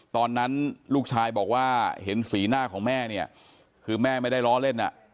ตอนนั้นลูกชายบอกว่าเห็นสีหน้าของแม่เนี่ยคือแม่ไม่ได้ล้อเล่นอ่ะ